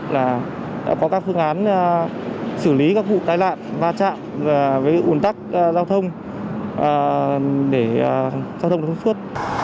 là có các phương án xử lý các vụ tai nạn va chạm với ủn tắc giao thông để giao thông được phương xuất